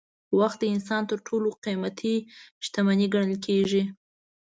وخت د انسان تر ټولو قیمتي شتمني ګڼل کېږي.